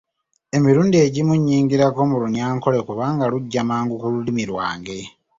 Emirundi egimu nnyingirako mu Runyankore kubanga lujja mangu ku lulimi lwange.